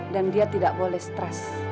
dan dia tidak boleh stres